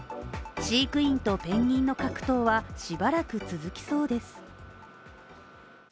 飼育員とペンギンの格闘はしばらく続きそうです。